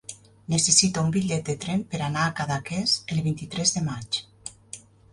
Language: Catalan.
Necessito un bitllet de tren per anar a Cadaqués el vint-i-tres de maig.